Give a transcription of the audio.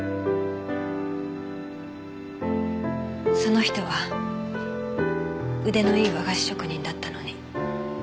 その人は腕のいい和菓子職人だったのに。